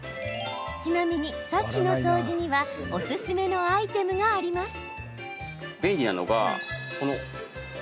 ちなみに、サッシの掃除にはおすすめのアイテムがあります。